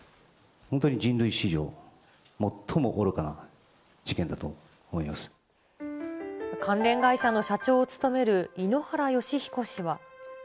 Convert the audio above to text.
本当に人類史上、関連会社の社長を務める井ノ原快彦氏は。